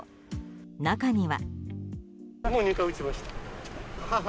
中には。